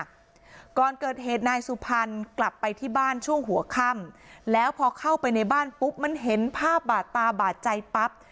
ก่อนเกิดเหตุนายสุพรรณกลับไปที่บ้านช่วงหัวค่ำแล้วพอเข้าไปในบ้านปุ๊บมันเห็นภาพบาดตาบาดใจปั๊บ